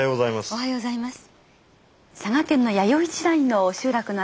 おはようございます。